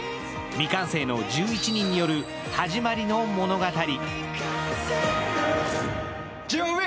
「未完成」の１１人による始まりの物語。